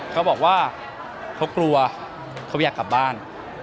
เขาบอกว่าเขากลัวเขาอยากกลับบ้าน